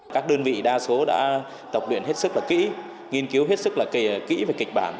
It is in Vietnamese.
các đơn vị đa số đã tập luyện hết sức là kỹ nghiên cứu hết sức là kỹ về kịch bản